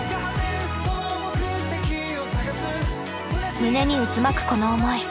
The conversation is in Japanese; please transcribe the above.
胸に渦巻くこの思い。